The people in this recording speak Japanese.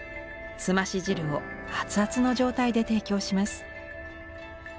すまし汁を熱々の状態で提供します。